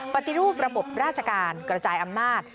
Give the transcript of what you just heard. ปฏิรูประบบราชการกระจายอำนาจ